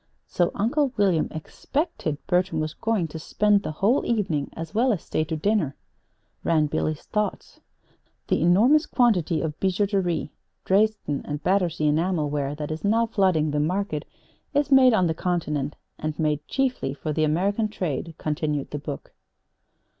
"So Uncle William expected Bertram was going to spend the whole evening as well as stay to dinner!" ran Billy's thoughts. "'The enormous quantity of bijouterie, Dresden and Battersea enamel ware that is now flooding the market, is made on the Continent and made chiefly for the American trade,'" continued the book.